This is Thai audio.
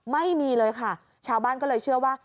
ไม่มีเลยค่ะชาวบ้านก็เลยเชื่อว่า